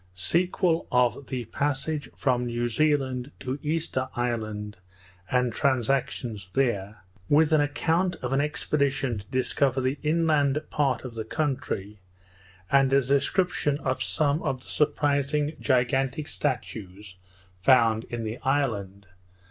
_Sequel of the Passage from New Zealand to Easter Island, and Transactions there, with an Account of an Expedition to discover the Inland Part of the Country, and a Description of some of the surprising gigantic Statues found in the Island.